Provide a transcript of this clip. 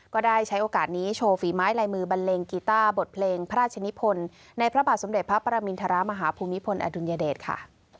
ก็ได้ใช้โอกาสนี้โชว์ฝีไม้ลายมือบันเลงกีต้าบทเพลงพระราชนิพลในพระบาทสมเด็จพระปรมินทรมาฮภูมิพลอดุลยเดชค่ะ